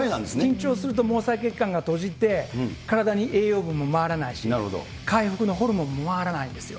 緊張すると毛細血管が閉じて、体に栄養分も回らないし、回復のホルモンも回らないですよ。